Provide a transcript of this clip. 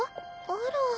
あら。